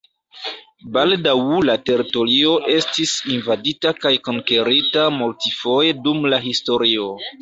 Baldaŭ la teritorio estis invadita kaj konkerita multfoje dum la historio.